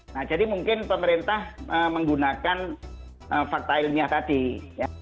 nah jadi mungkin pemerintah menggunakan fakta ilmiah tadi ya